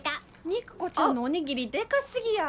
肉子ちゃんのお握りでかすぎや。